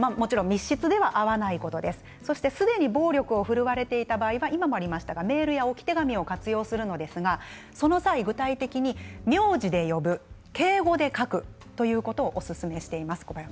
すでに暴力を振るわれている場合は今もありましたがメールや置き手紙を活用するんですが名字で呼んで敬語で書くことをおすすめしています。